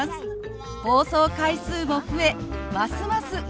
放送回数も増えますます